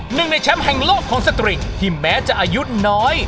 หนึ่งในแชมป์แห่งโลกของสตริกที่แม้จะอายุน้อย